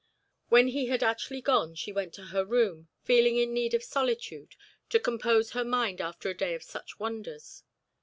When he had actually gone, she went to her room, feeling in need of solitude to compose her mind after a day of such wonders.